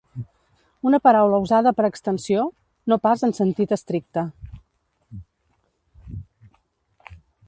Una paraula usada per extensió, no pas en sentit estricte.